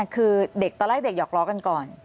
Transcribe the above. คือเด็กตอนแรกเด็กหอกล้อกันก่อน